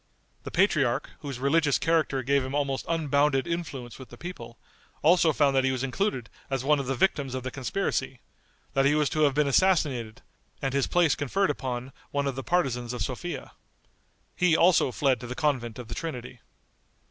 The patriarch, whose religious character gave him almost unbounded influence with the people, also found that he was included as one of the victims of the conspiracy; that he was to have been assassinated, and his place conferred upon one of the partisans of Sophia. He also fled to the convent of the Trinity.